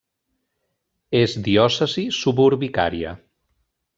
És diòcesi suburbicària.